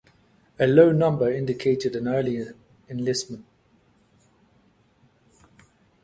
A low number indicated an early enlistment.